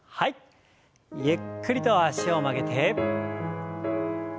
ゆっくりと脚を曲げて伸ばして。